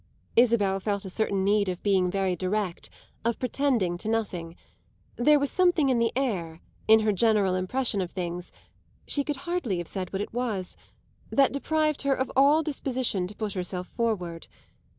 Isabel felt a certain need of being very direct, of pretending to nothing; there was something in the air, in her general impression of things she could hardly have said what it was that deprived her of all disposition to put herself forward.